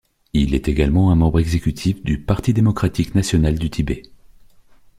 Il est également un membre exécutif du Parti démocratique national du Tibet.